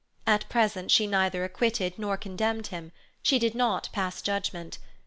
At present she neither acquitted nor condemned him; she did not pass judgement.